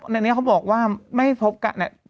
และที่นี้เราก็บอกว่าไม่พบกัน